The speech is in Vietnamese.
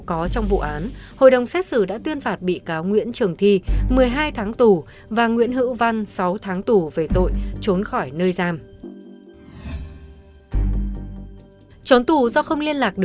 có trong vụ án hội đồng xét xử đã tuyên phạt bị cáo nguyễn trường thi một mươi hai tháng tù và nguyễn hữu văn sáu tháng tù về tội trốn khỏi nơi giam tù